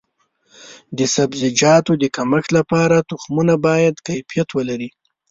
د سبزیجاتو د کښت لپاره تخمونه باید کیفیت ولري.